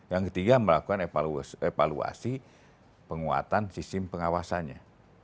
yang ketiga melakukan evaluasi penguatan sistem pengawasannya